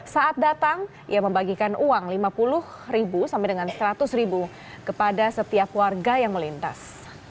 saat datang ia membagikan uang rp lima puluh sampai dengan rp seratus kepada setiap warga yang melintas